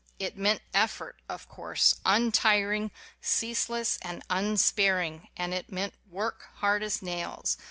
It meant effort, of course, untiring, ceaseless, and unspar ing, and it meant work, hard as nails.